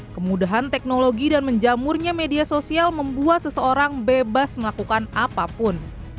kemudahan teknologi dan menjamurnya media sosial membuat seseorang bebas melakukan apapun